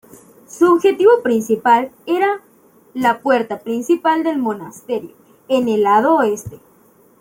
Su objetivo principal era la puerta principal del monasterio, en el lado oeste.